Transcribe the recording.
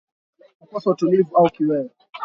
Kukosa utulivu au kiwewe